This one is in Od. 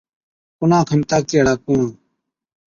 ڪُلان کن طاقتِي هاڙا ڪُوڻ،